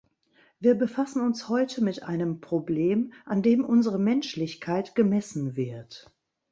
Wir befassen uns heute mit einem Problem, an dem unsere Menschlichkeit gemessen wird.